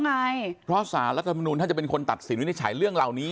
ไงเพราะสารรัฐธรรมนุนถ้าจะเป็นคนตัดสินในฉายเรื่องราวนี้